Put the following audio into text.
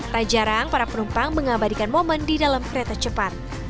tak jarang para penumpang mengabadikan momen di dalam kereta cepat